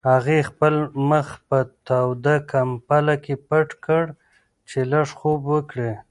هغې خپل مخ په توده کمپله کې پټ کړ چې لږ خوب وکړي.